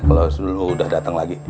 kalau sudah datang lagi